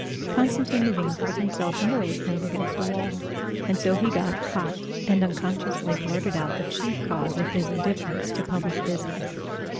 Konstantin Levin felt himself morally pinned against a wall, and so he got hot, and unconsciously blurted out the chief cause of his indifference to public business.